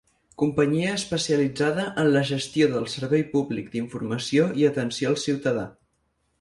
Companyia especialitzada en la gestió del servei públic d'informació i atenció al ciutadà.